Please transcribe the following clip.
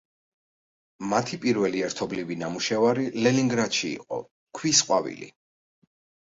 მათი პირველი ერთობლივი ნამუშევარი ლენინგრადში იყო „ქვის ყვავილი“.